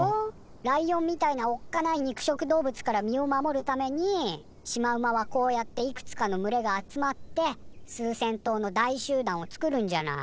ライオンみたいなおっかない肉食動物から身を守るためにシマウマはこうやっていくつかの群れが集まって数千頭の大集団を作るんじゃない。